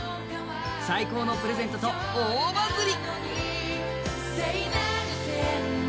最高のプレゼントと大バズリ。